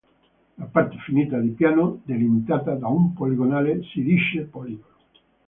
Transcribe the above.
La parte finita di piano delimitata da una poligonale si dice poligono.